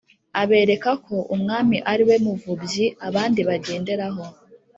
abereka ko umwami ariwe muvubyi abandi bagenderaho